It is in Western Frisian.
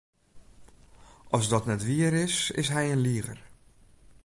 As dat net wier is, is hy in liger.